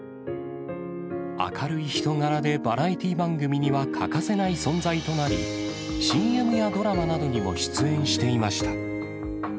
明るい人柄でバラエティー番組には欠かせない存在となり、ＣＭやドラマなどにも出演していました。